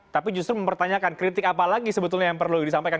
tapi justru mempertanyakan kritik apa lagi sebetulnya yang perlu disampaikan